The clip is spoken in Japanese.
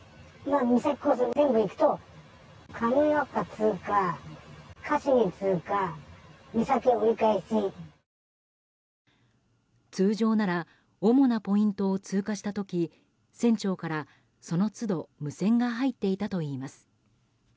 通常なら主なポイントを通過した時船長から、その都度無線が入っていたといいます。